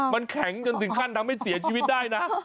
มันแข็งจนถึงขั้นทำให้เสียชีวิตได้นะ